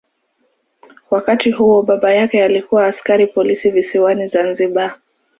Wakati huo baba yake alikuwa askari polisi visiwani Zanzibar.